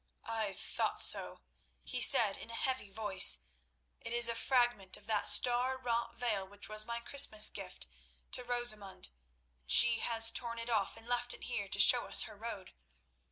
"I thought so," he said in a heavy voice; "it is a fragment of that star wrought veil which was my Christmas gift to Rosamund, and she has torn it off and left it here to show us her road.